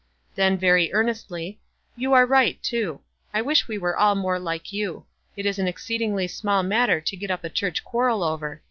Then very earnestly, "You are right, too. I wish we were all more like you. It is an exceedingly small matter to get up a church quarrel over.